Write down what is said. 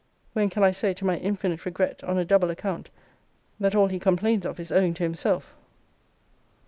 when can I say, to my infinite regret, on a double account, that all he complains of is owing to himself!